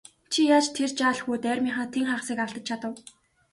Чи яаж тэр жаал хүүд армийнхаа тэн хагасыг алдаж чадав?